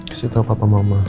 kasih tahu papa mama